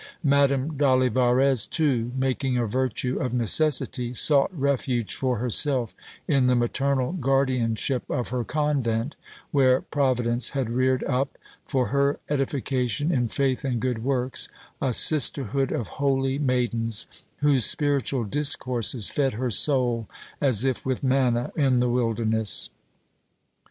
Madame d'Olivarez too, making a virtue of necessity, sought refuge for herself in the maternal guardianship of her convent, where Providence had reared up, for her edification in faith and good works, a sisterhood of holy maidens, whose spiritual discourses fed her soul, as if with manna in the wilder ness.